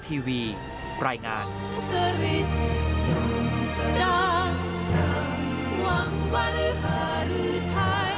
เกิดมาในแผ่นดินของผม